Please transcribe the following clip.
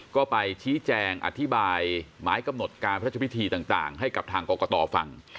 ก็ไปชี้แจงอธิบายหมายกำหนดการพระเจ้าพิธีต่างให้กับทางกรกตฟัง